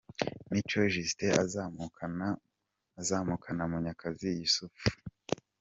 Mico Justin azamukana Munyakazi Yussuf Rule.